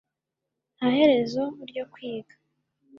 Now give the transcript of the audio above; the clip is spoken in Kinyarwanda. Nta herezo ryo kwiga